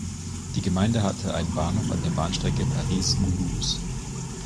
Die Gemeinde hatte einen Bahnhof an der Bahnstrecke Paris–Mulhouse.